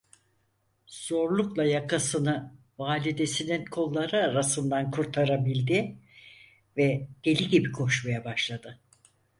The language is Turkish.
Zorlukla yakasını, validesinin kolları arasından kurtarabildi ve deli gibi koşmaya başladı.